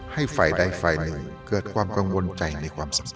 ให้ฝ่ายใดฝ่ายหนึ่งเกิดความกังวลใจในความสำคัญ